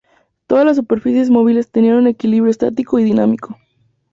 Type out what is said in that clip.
Todas las superficies móviles tenían equilibrio estático y dinámico.